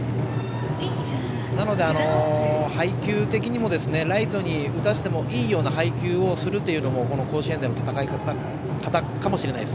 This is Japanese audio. なので、配球的にもライトに打たせてもいいような配球をするというのも甲子園での戦い方かもしれません。